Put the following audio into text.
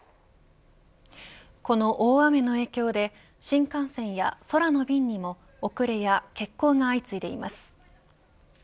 この大雨の影響で新幹線や空の便にも遅れや欠航が相次いでいます。